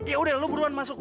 ya udah lo buru buruan masuk